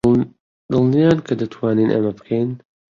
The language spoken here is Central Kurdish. دڵنیان کە دەتوانین ئەمە بکەین؟